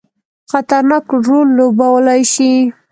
خطرناک رول لوبولای شي.